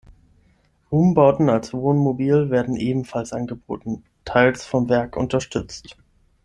Umbauten als Wohnmobil werden ebenfalls angeboten, teils vom Werk unterstützt.